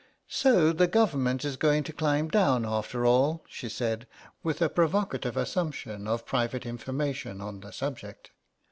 "So the Government is going to climb down, after all," she said, with a provocative assumption of private information on the subject.